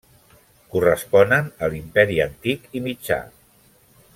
Corresponen a l'Imperi antic i mitjà.